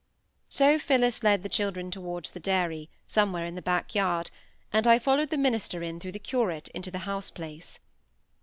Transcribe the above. So Phillis led the children towards the dairy, somewhere in the back yard, and I followed the minister in through the "curate" into the house place.